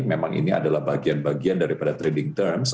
memang ini adalah bagian bagian daripada trading terms